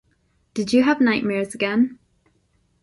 Did you have nightmares again?